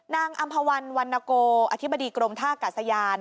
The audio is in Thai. นางอัมพวันวรรณโกอธิบดีกรมท่ากัดสะยาน